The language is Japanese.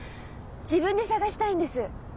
自分で探したいんです。